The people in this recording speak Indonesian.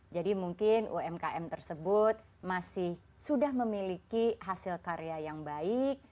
jadi mungkin umkm tersebut masih sudah memiliki hasil karya yang baik